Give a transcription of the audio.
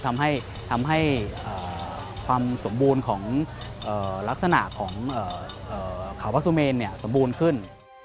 ทำให้ความสมบูรณ์ช้างของขวพสุเมนสมบูรณ์ขึ้น